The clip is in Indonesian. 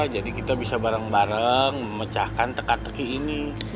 jadi kita bisa bareng bareng memecahkan teka teki ini